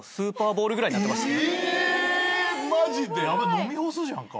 飲み干すじゃんか。